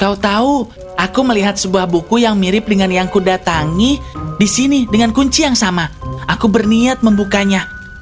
kau tahu aku melihat sebuah buku yang mirip dengan yang kudatangi di sini dengan kunci yang sama aku berniat membukanya